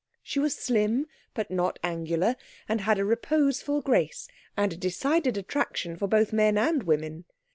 She was slim, but not angular, and had a reposeful grace and a decided attraction for both men and women.